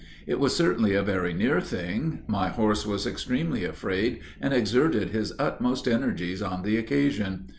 It was certainly a very near thing; my horse was extremely afraid, and exerted his utmost energies on the occasion.